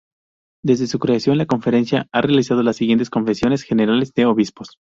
Desde su creación, la Conferencia ha realizado las siguientes Conferencias Generales de Obispos.